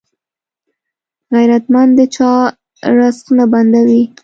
غیرتمند د چا رزق نه بندوي